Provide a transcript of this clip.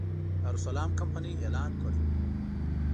دارالسلام کمپنۍ اعلان کړی و.